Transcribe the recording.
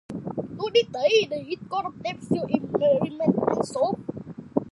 To this day, his cause of death still remains unsolved.